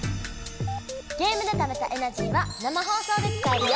ゲームでためたエナジーは生放送で使えるよ。